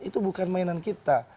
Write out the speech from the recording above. itu bukan mainan kita